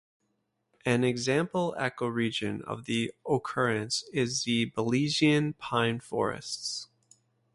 An example ecoregion of occurrence is the Belizean pine forests.